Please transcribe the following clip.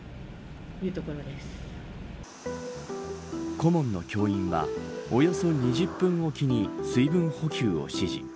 顧問の教員はおよそ２０分おきに水分補給を指示。